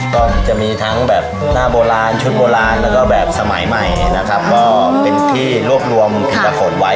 ก็จะมีทั้งแบบหน้าโบราณชุดโบราณแล้วก็แบบสมัยใหม่นะครับก็เป็นที่รวบรวมอินตะขนไว้